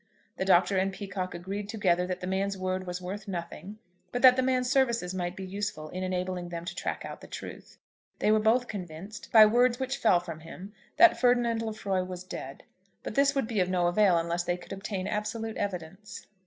The Doctor and Peacocke agreed together that the man's word was worth nothing; but that the man's services might be useful in enabling them to track out the truth. They were both convinced, by words which fell from him, that Ferdinand Lefroy was dead; but this would be of no avail unless they could obtain absolute evidence.